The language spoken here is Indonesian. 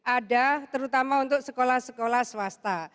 ada terutama untuk sekolah sekolah swasta